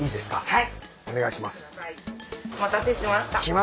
はい。